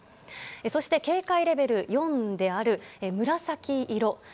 そして、警戒レベル４である紫色。